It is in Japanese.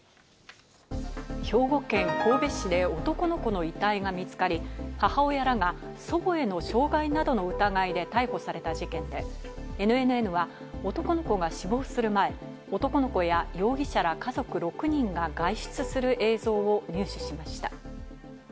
兵庫県神戸市で男の子の遺体が見つかり、母親が祖母への傷害などの疑いで逮捕された事件で、ＮＮＮは男の子が死亡する前、男の子や容疑者ら家族６人が外出する映像を入手しました。